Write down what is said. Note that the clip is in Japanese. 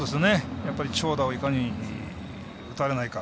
長打をいかに打たれないか。